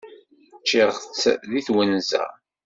Ččiɣ-tt deg twenza.